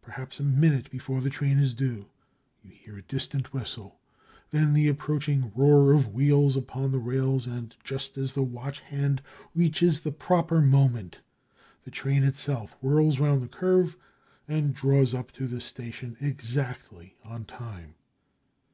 Perhaps a minute before the train is due, you hear a distant whistle, then the approaching roar of wheels upon the rails, and, just as the watch hand reaches the proper moment, the train itself whirls round the curve and draws up to the station, exactly on time.